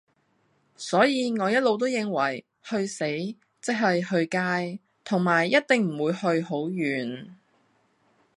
所以我一路都認為，去死，即系去街，同埋一定唔會去好遠